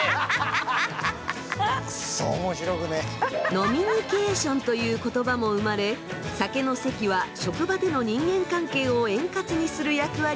飲みニケーションという言葉も生まれ酒の席は職場での人間関係を円滑にする役割を果たしました。